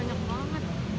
iya pusing jadinya